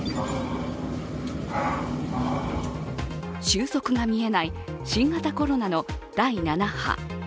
収束が見えない新型コロナの第７波。